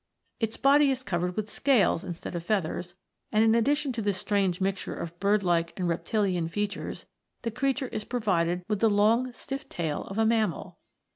Its body is covered with scales instead of feathers, and in addition to this strange mixture of bird like and reptilian features, the creature is provided with the long stiff tail of a mammal.